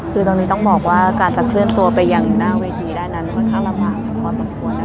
คือตรงนี้ต้องบอกว่าการจะเคลื่อนตัวไปอย่างหน้าเวทีด้านนั้นมันค่อนข้างลำบากของพ่อส่วนตัวนะคะ